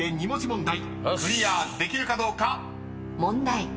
問題。